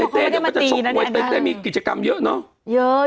เต้เต้มีกิจกรรมเยอะเนอะ